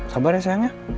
sabar ya sayangnya